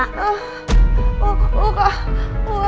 laci mau dibuka